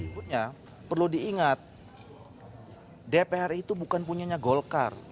menurutnya perlu diingat dpr ri itu bukan punya golkar